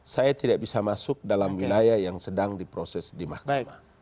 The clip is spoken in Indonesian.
saya tidak bisa masuk dalam wilayah yang sedang diproses di mahkamah